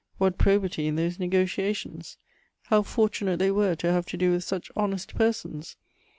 What probity in those negociations! How fortunate they were to have to do with such honest persons!